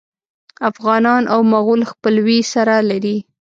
افغانان او مغول خپلوي سره لري.